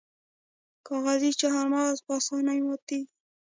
کاغذي چهارمغز په اسانۍ ماتیږي.